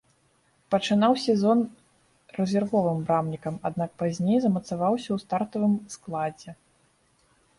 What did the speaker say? Пачынаў сезон рэзервовым брамнікам, аднак пазней замацаваўся ў стартавым складзе.